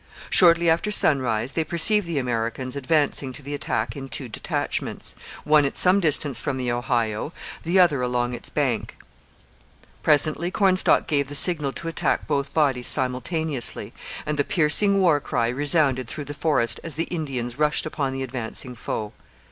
Shortly after sunrise they perceived the Americans advancing to the attack in two detachments, one at some distance from the Ohio, the other along its bank. Presently Cornstalk gave the signal to attack both bodies simultaneously, and the piercing war cry resounded through the forest as the Indians rushed upon the advancing foe.